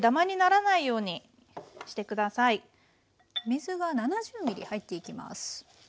水が７０ｍ入っていきます。